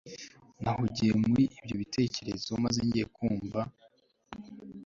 Nahugiye muri ibyo bitekerezo maze ngiye kumva